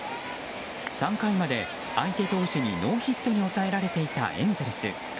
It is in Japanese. ３回まで相手投手にノーヒットに抑えられていたエンゼルス。